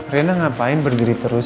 riana ngapain berdiri terus